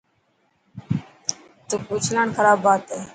ٿڪ اوچلاڻ خراب بات هي.